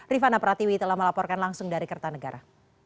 rifana pratiwi telah melaporkan langsung dari kertanegara